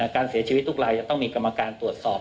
การเสียชีวิตทุกรายจะต้องมีกรรมการตรวจสอบ